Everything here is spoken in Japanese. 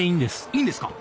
いいんですか？